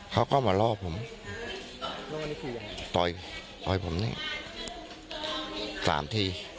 เขาก็มาล่อผมต่อยต่อยผมนี่สามที